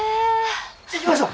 行きましょう！